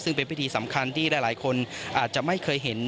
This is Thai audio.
ซึ่งเป็นพิธีสำคัญที่หลายคนอาจจะไม่เคยเห็น